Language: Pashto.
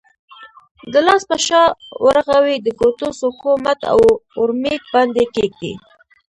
د لاس په شا، ورغوي، د ګوتو څوکو، مټ او اورمیږ باندې کېږدئ.